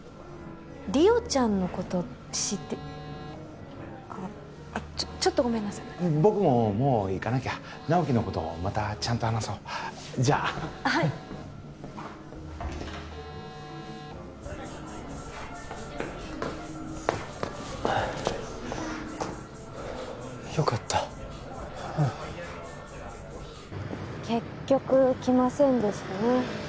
莉桜ちゃんのこと知ってあっちょっとごめんなさい僕ももう行かなきゃ直木のことまたちゃんと話そうじゃあはいよかったはあ結局来ませんでしたね